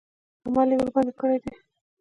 عمل یې ورباندې کړی دی.